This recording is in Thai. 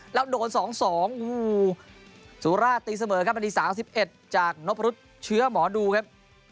แล้วโดน๒๒สุราชตีเสมอครับนาที๓๑จากนพรุษเชื้อหมอดูครับ